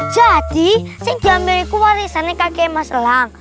jadi saya diambil warisannya kakek mas elang